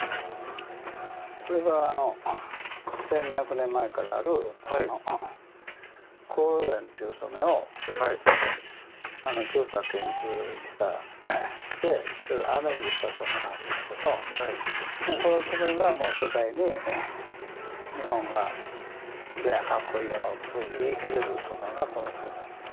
これが１２００年前からある黄櫨染っていう染めを調査研究してそれをアレンジした染めなんですけどこの染めが世界に日本どうやカッコいいやろって言い切れる染めですね。